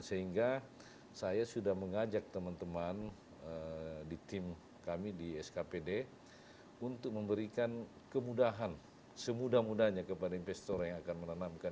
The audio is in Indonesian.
sehingga saya sudah mengajak teman teman di tim kami di skpd untuk memberikan kemudahan semudah mudahnya kepada investor yang akan menanamkan